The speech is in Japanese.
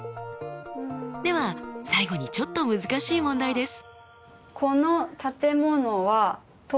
では最後にちょっと難しい問題です。